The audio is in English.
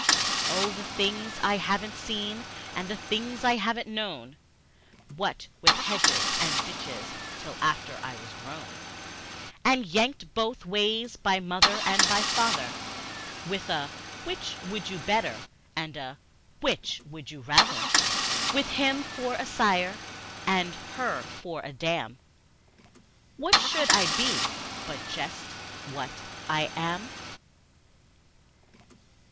Oh, the things I haven't seen and the things I haven't known, What with hedges and ditches till after I was grown, And yanked both ways by my mother and my father, With a 'Which would you better?" and a "Which would you rather?" With him for a sire and her for a dam, What should I be but just what I am?